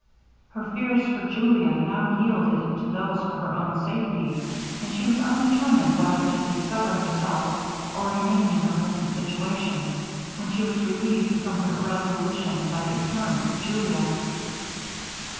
Her fears for Julia now yielded to those for her own safety, and she was undetermined whether to discover herself, or remain in her present situation, when she was relieved from her irresolution by the appearance of Julia.